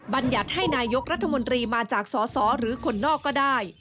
บรรยัติให้นายกรัฐมนตรีมาจากสสหรือคนนอกก็ได้